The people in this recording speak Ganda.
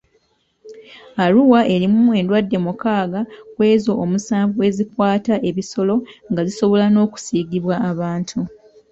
Arua erimu endwadde mukaaga kw'ezo omusanvu ezikwata ebisolo nga zisobola n'okusiigibwa abantu.